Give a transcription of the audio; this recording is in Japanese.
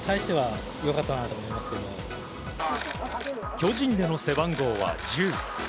巨人での背番号は１０。